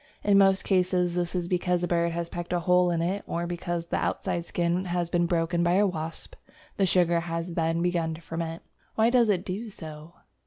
In most cases this is because a bird has pecked a hole in it, or because the outside skin has been broken by a wasp. The sugar has then begun to ferment. Why does it do so?